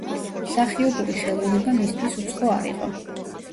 მსახიობური ხელოვნება მისთვის უცხო არ იყო.